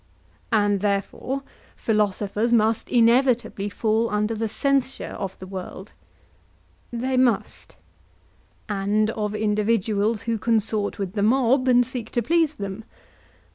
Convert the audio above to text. And therefore philosophers must inevitably fall under the censure of the world? They must. And of individuals who consort with the mob and seek to please them?